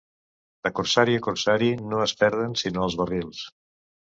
De corsari a corsari no es perden sinó els barrils.